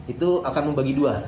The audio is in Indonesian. itu akan membagi dua